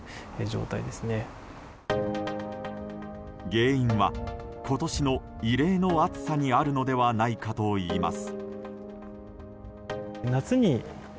原因は今年の異例の暑さにあるのではないかといいます。